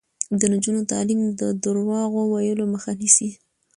د نجونو تعلیم د درواغو ویلو مخه نیسي.